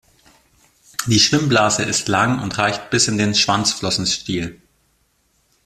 Die Schwimmblase ist lang und reicht bis in den Schwanzflossenstiel.